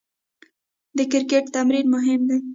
د کرکټ تمرین مهم دئ.